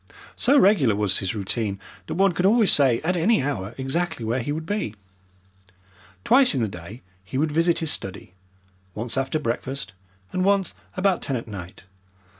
So regular was his routine that one could always say at any hour exactly where he would be. Twice in the day he would visit his study, once after breakfast, and once about ten at night.